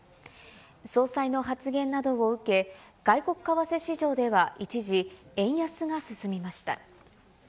総裁の発言などを受け、外国為替市場では一時円安が進みました。